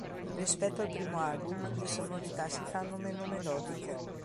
Rispetto al primo album le sonorità si fanno meno melodiche.